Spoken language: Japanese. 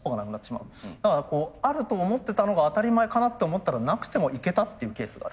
だからこうあると思ってたのが当たり前かなって思ったらなくてもいけたっていうケースがある。